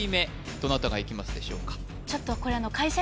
どなたがいきますでしょうか？